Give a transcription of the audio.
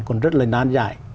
còn rất là nan dài